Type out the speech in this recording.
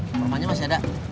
permanenya masih ada